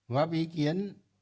góp ý kiến